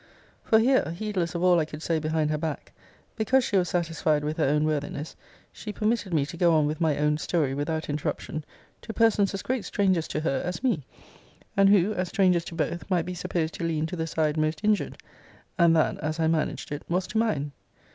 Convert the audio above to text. For here, heedless of all I could say behind her back, because she was satisfied with her own worthiness, she permitted me to go on with my own story, without interruption, to persons as great strangers to her as me; and who, as strangers to both, might be supposed to lean to the side most injured; and that, as I managed it, was to mine.